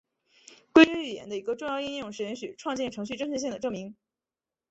规约语言的一个重要应用是允许创建程序正确性的证明。